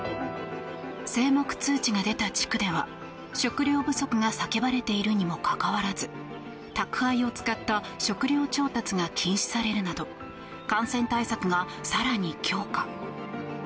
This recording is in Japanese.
静黙通知が出た地区では食糧不足が叫ばれているにもかかわらず宅配を使った食料調達が禁止されるなど感染対策が更に強化。